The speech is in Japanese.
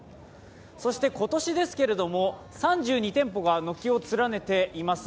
そして今年ですけれども３２店舗が軒を連ねています。